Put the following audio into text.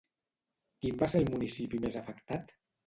Quin va ser el municipi més afectat?